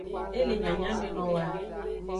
E le nyanyamenowoa.